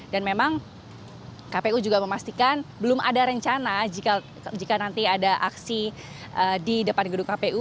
dan memang kpu juga memastikan belum ada rencana jika nanti ada aksi di depan gedung kpu